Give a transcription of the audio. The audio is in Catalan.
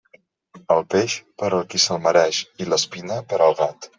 El peix, per al qui se'l mereix, i l'espina per al gat.